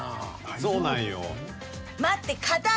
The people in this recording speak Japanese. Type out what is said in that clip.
そうなんよ。